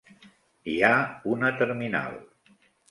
Hi ha una terminal.